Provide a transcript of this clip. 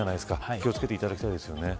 気を付けていただきたいですね。